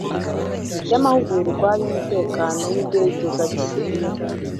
y Amahugurwa y Umutekano w Indege za Gisivili